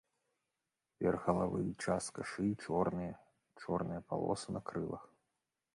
Верх галавы і частка шыі чорныя, чорныя палосы на крылах.